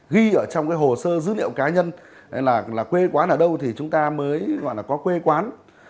ghi ở trong cái hồ sơ dữ liệu cá nhân là quê quán ở đâu thì chúng ta mới gọi là có quê quán